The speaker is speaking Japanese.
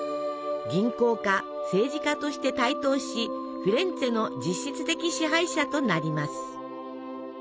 銀行家政治家として台頭しフィレンツェの実質的支配者となります。